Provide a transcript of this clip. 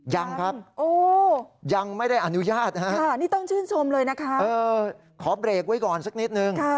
ยังครับยังไม่ได้อนุญาตนะครับขอเบรกไว้ก่อนสักนิดนึง